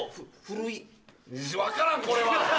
分からんこれは。